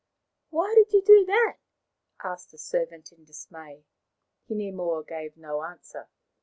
" Why did you do that ?" asked the servant in dismay. Hinemoa gave no answer.